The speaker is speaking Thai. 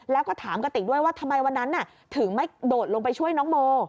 แล้วก็ถามกระติกด้วยว่าทำไมวันนั้นถึงไม่โดดลงไปช่วยน้องโม